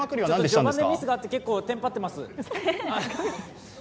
序盤でミスがあって結構、テンパってます。